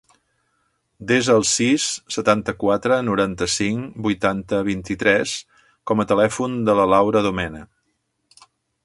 Desa el sis, setanta-quatre, noranta-cinc, vuitanta, vint-i-tres com a telèfon de la Laura Domene.